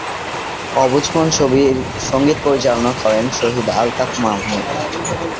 অবুঝ মন ছবির সঙ্গীত পরিচালনা করেন শহীদ আলতাফ মাহমুদ।